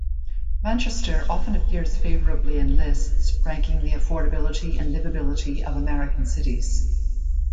Manchester often appears favorably in lists ranking the affordability and livability of American cities.